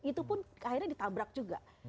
itu pun akhirnya ditabrak juga